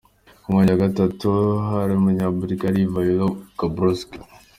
Ku mwanya wa gatatu hari umunya- Bulgaria, Ivaïlo Gabrovski.